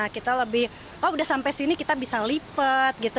kita lebih oh udah sampai sini kita bisa lipat gitu